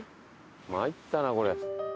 まいったなこれ。